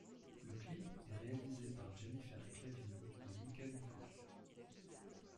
Le clip est réalisé par Jennifer Clavin de Mika Miko.